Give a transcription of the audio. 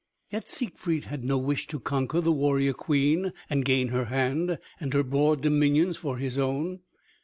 Yet Siegfried had no wish to conquer the warrior queen and gain her hand and her broad dominions for his own.